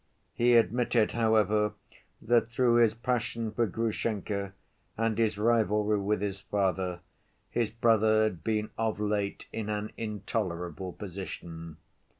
He admitted, however, that, through his passion for Grushenka and his rivalry with his father, his brother had been of late in an intolerable position.